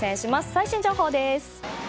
最新情報です。